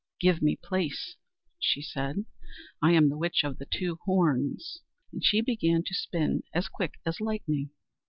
"Give me place," she said; "I am the Witch of the two Horns," and she began to spin as quick as lightning.